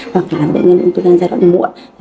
hoặc là bệnh nhân uống thư gan giai đoạn muộn